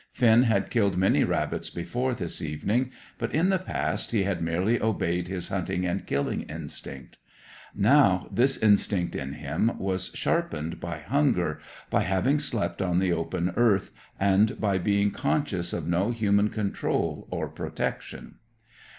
Finn had killed many rabbits before this evening; but in the past he had merely obeyed his hunting and killing instinct. Now this instinct in him was sharpened by hunger, by having slept on the open earth, and by being conscious of no human control or protection.